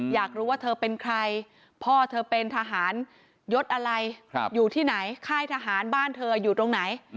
อยากรู้ว่าเธอเป็นใครพ่อเธอเป็นทหารยศอะไรอยู่ที่ไหนค่ายทหารบ้านเธออยู่ตรงไหน